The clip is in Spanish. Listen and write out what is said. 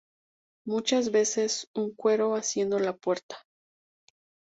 Muchas veces un cuero haciendo de puerta.